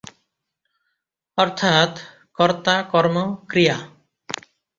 অর্থাৎ কর্তা-কর্ম-ক্রিয়া।